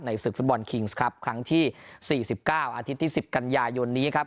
ศึกฟุตบอลคิงส์ครับครั้งที่๔๙อาทิตย์ที่๑๐กันยายนนี้ครับ